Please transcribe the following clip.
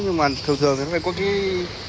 nhưng mà thường thường thì nó phải có cái